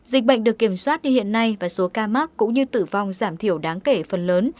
dịch bệnh được kiểm soát như hiện nay và số ca mắc cũng như tử vong giảm thiểu đáng kể phần lớn